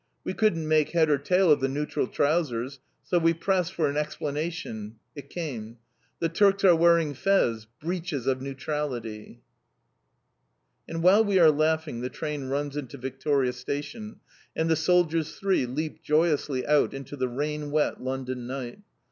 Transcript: _' We couldn't make head or tail of the neutral trousers! So we pressed for an explanation. It came. 'The Turks are wearing fez, breaches of neutrality!'" And while we are laughing the train runs into Victoria Station and the soldiers three leap joyously out into the rain wet London night.